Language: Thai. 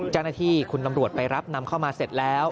เจ้าหน้าที่คุณตำรวจไปรับนำเข้ามาเสร็จแล้ว